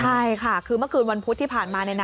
ใช่ค่ะคือเมื่อคืนวันพุธที่ผ่านมา